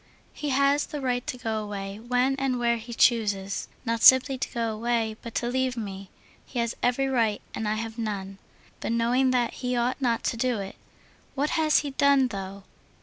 "He has the right to go away when and where he chooses. Not simply to go away, but to leave me. He has every right, and I have none. But knowing that, he ought not to do it. What has he done, though?...